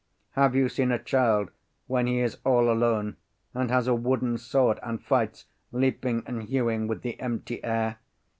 Have you seen a child when he is all alone and has a wooden sword, and fights, leaping and hewing with the empty air?